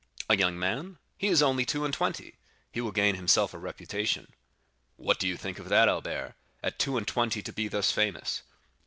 "A young man? he is only two and twenty;—he will gain himself a reputation." "What do you think of that, Albert?—at two and twenty to be thus famous?"